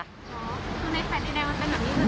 อ๋อตรงนี้แผ่นที่แดงก็จะแบบนี้